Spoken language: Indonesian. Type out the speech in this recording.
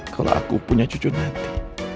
kalau aku punya cucu nanti